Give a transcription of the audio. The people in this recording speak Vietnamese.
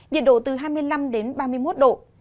nhiệt độ từ hai mươi năm đến ba mươi một độ